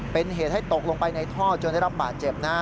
เป็นเหตุให้ตกลงไปในท่อจนได้รับบาดเจ็บนะฮะ